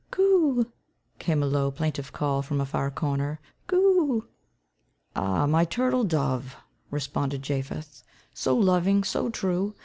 "Coo o o," came a low, plaintive call from a far corner. "Coo o o." "Ah, my turtle dove," responded Japheth, "so loving, so true!